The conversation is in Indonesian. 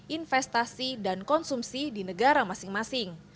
investasi dan konsumsi di negara masing masing